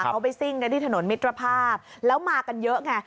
เขาไปซิ่งกันที่ถนนมิตรภาพแล้วมากันเยอะไง